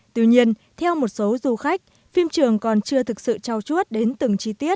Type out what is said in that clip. tuy nhiên theo một số du khách phim trường còn chưa thực sự trao chuốt đến từng chi tiết